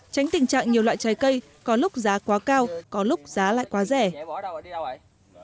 tránh tình trạng nhiều loại trái cây có lúc giá quá cao có lúc giá lại quá rẻ